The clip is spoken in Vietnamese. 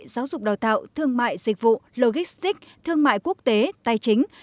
giáo dục đào tạo thương mại dịch vụ logistic thương mại quốc tế tài chính